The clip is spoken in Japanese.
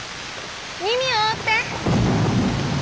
耳を覆って！